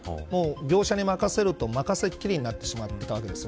業者に任せると任せきりになってしまってたわけです。